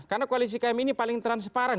karena koalisi kami ini paling transparan